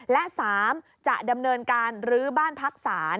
และ๓จะดำเนินการลื้อบ้านพักศาล